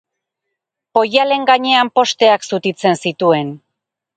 Poialen gainean posteak zutitzen zituen.